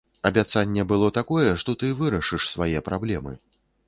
Абяцанне было такое, што ты вырашыш свае праблемы.